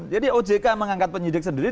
jadi ojk mengangkat penyidik sendiri